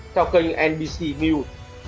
theo kênh nbc news